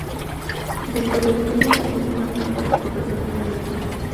Dentro del túmulo se halla una tumba de corredor neolítica.